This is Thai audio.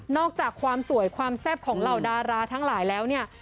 อกจากความสวยความแซ่บของเหล่าดาราทั้งหลายแล้วเนี่ย